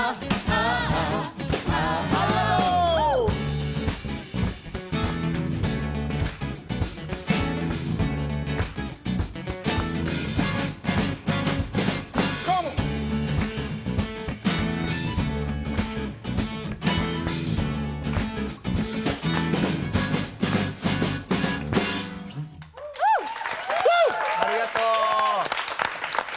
ありがとう。